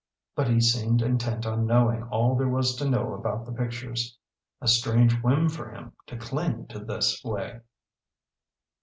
But he seemed intent on knowing all there was to know about the pictures. A strange whim for him to cling to this way!